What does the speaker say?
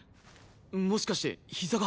もしかして膝が。